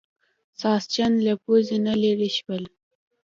ساسچن له پوزې نه لرې شول.